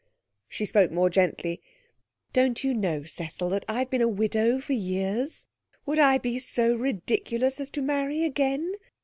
She spoke more gently. 'Don't you know, Cecil, that I've been a widow for years? Would I be so ridiculous as to marry again?